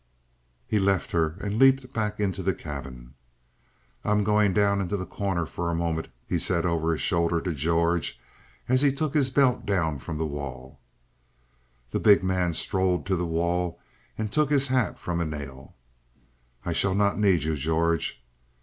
He left her and leaped back into the cabin. "I am going down into The Corner for a moment," he said over his shoulder to George, as he took his belt down from the wall. The big man strode to the wall and took his hat from a nail. "I shall not need you, George."